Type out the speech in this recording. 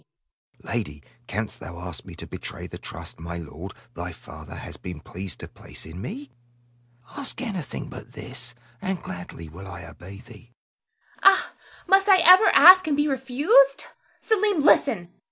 Selim. Lady, canst thou ask me to betray the trust my lord, thy father, hath been pleased to place in me? Ask anything but this, and gladly will I obey thee. Zara. Ah, must I ever ask and be refused? Selim, listen!